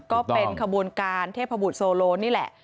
ก็เป็นขบูรณ์การเทพบุรสโลนี่แหละ